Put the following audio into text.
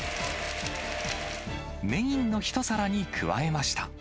メインの一皿に加えました。